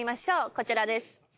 こちらです。